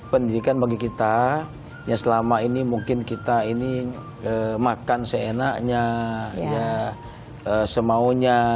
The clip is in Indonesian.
pendidikan bagi kita yang selama ini mungkin kita ini makan seenaknya semaunya